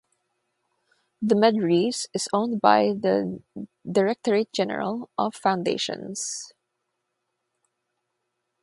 The medrese is owned by the Directorate General of Foundations.